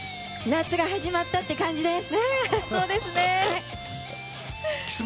夏が始まったって感じです。